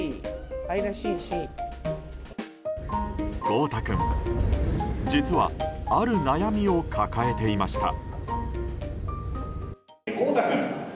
豪太君、実はある悩みを抱えていました。